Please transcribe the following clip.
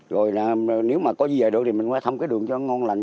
rồi nếu mà có di dời được thì mình qua thăm cái đường cho ngon lành